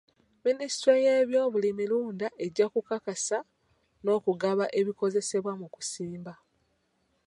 Minisitule y'ebyobulimirunda ejja kukakasa n'okugaba ebikozesebwa mu kusimba.